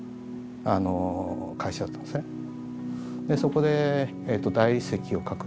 でそこで。